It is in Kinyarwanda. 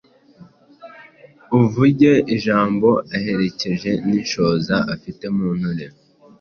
uvuge ijambo aherekeje n’inshoza afite mu nteruro.